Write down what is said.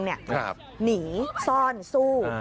หนีซ่อนสู้